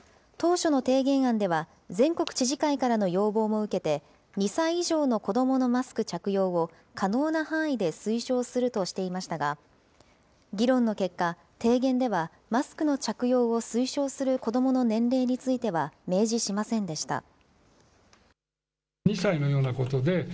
当初の提言案では全国知事会からの要望も受けて、２歳以上の子どものマスク着用を可能な範囲で推奨するとしていましたが、議論の結果、提言ではマスクの着用を推奨する子どもの年齢については、明示しませんでした。